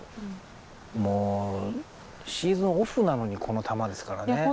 もうシーズンオフなのにこの球ですからね。